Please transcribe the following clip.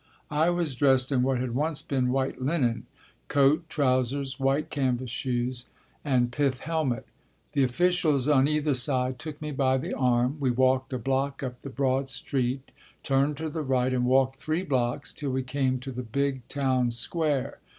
I was dressed in what had once been white linen. Coat, trousers, white canvas shoes and pith helmet. The officials on either side took me by the arm; we walked a block up the broad street, turned to the right and walked three blocks till we came to the big town square.